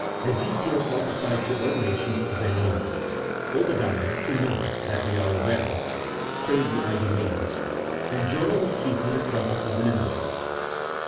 Ezekiel prophesied to all the nations then known ; Obadiah to none, that we are aware of, save the Idumeans; and Jonah was chiefly the prophet to the Ninevites.